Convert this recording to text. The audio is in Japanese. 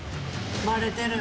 バレてる。